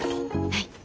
はい。